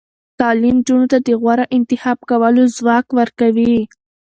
تعلیم نجونو ته د غوره انتخاب کولو ځواک ورکوي.